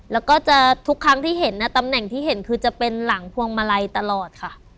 แล้วก็จะทุกครั้งที่เห็นตำแหน่งที่เห็นคือจะเป็นหลังพวงมาลัยตลอดค่ะ